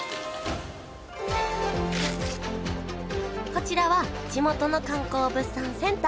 こちらは地元の観光物産センター